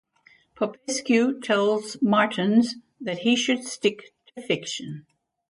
Popescu tells Martins that he should stick to fiction.